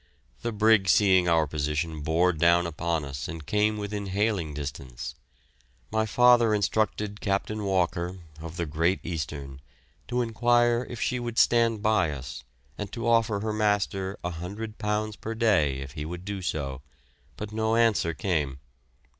The brig seeing our position bore down upon us and came within hailing distance. My father instructed Captain Walker, of the "Great Eastern," to enquire if she would stand by us, and to offer her master £100 per day if he would do so, but no answer came.